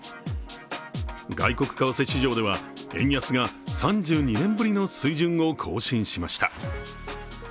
外国為替市場では円安が３２年ぶりの水準を更新しました。